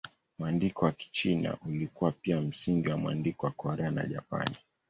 Mwandiko wa Kichina ulikuwa pia msingi wa mwandiko wa Korea na Japani.